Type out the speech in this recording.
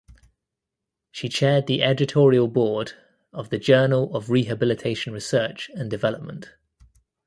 She chaired the editorial board of the "Journal of Rehabilitation Research and Development".